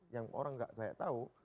yang orang nggak banyak tahu